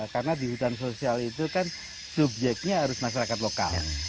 karena di hutan sosial itu kan subjeknya harus masyarakat lokal